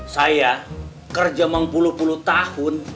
saya kerja mang puluh puluh tahun